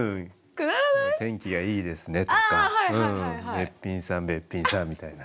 べっぴんさんべっぴんさんみたいな。